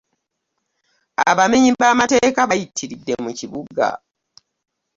Abamenyi b'amateeka bayitiridde mu kibuga.